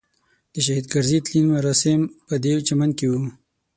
د شهید کرزي تلین مراسم پدې چمن کې وو.